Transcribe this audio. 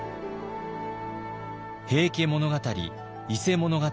「平家物語」「伊勢物語」